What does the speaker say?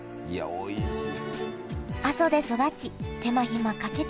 おいしい。